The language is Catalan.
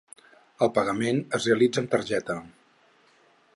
El pagament es realitza amb tarjeta.